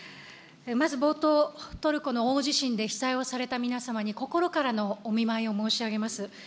まず冒頭、トルコの大地震で被災をされた皆様に心からのお見舞いを申し上げます。